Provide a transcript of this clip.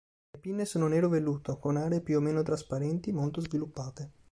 Le pinne sono nero velluto, con aree più o meno trasparenti, molto sviluppate.